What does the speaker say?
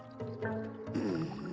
うん。